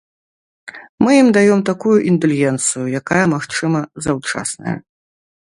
Мы ім даём такую індульгенцыю, якая, магчыма, заўчасная.